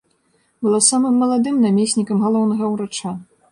Была самым маладым намеснікам галоўнага ўрача.